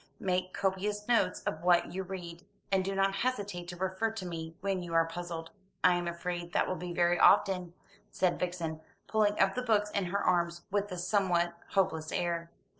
Make copious notes of what you read, and do not hesitate to refer to me when you are puzzled." "I am afraid that will be very often," said Vixen, piling up the books in her arms with a somewhat hopeless air.